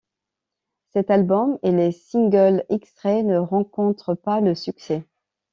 Cet album, et les singles extraits ne rencontrent pas le succès.